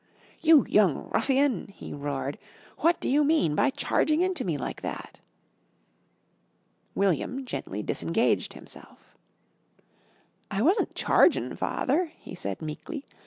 "You young ruffian," he roared, "what do you mean by charging into me like that?" William gently disengaged himself. "I wasn't chargin', Father," he said, meekly.